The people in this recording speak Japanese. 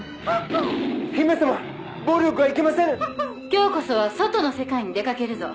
今日こそは外の世界に出掛けるぞ。